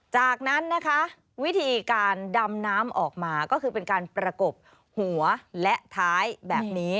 จากนั้นนะคะวิธีการดำน้ำออกมาก็คือเป็นการประกบหัวและท้ายแบบนี้